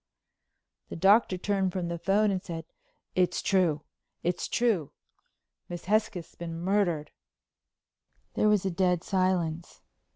The Doctor turned from the phone and said: "It's true. Miss Hesketh's been murdered." There was a dead silence.